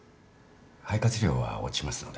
肺活量は落ちますので。